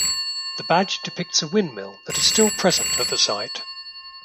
The badge depicts a windmill that is still present at the site.